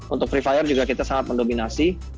untuk free fire juga kita sangat mendominasi